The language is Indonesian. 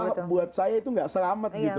kalau buat saya itu nggak selamat gitu